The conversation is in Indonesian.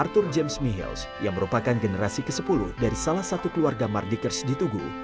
artur james miheels yang merupakan generasi ke sepuluh dari salah satu keluarga mardikers di tugu